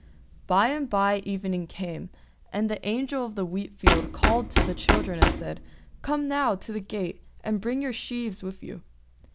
By and by evening came, and the Angel of the wheat field called to the children and said, "Come now to the gate, and bring your sheaves with you."